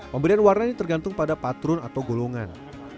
pemberian warna ini tergantung pada patron atau golongan